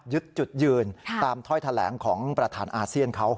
จุดยืนตามถ้อยแถลงของประธานอาเซียนเขา